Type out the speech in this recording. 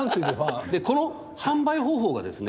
でこの販売方法がですね